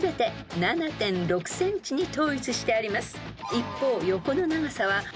［一方］